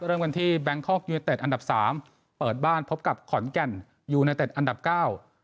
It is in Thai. เริ่มกันที่แบงคอกยูเนเต็ดอันดับสามเปิดบ้านพบกับขอนแก่นยูเนเต็ดอันดับเก้า